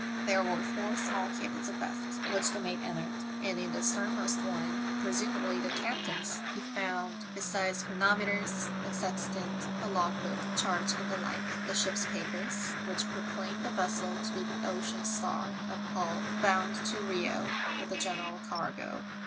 There were four small cabins abaft, which the mate entered, and in the sternmost one, pre sumably the captain's, he found, besides chronometers. THE MYSTERY OF THE ''OCEAN STABr 9 a sextant, a log book, charts and the like, the ship's papers, which proclaimed the vessel to be the Ocean Star, of Hull, bound to Bio with a general cargo.